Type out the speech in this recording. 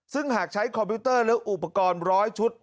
ซึ่งหากใช้คอมพิวเตอร์หรืออุปกรณ์ร้อยชุด